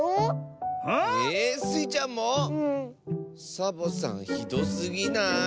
サボさんひどすぎない？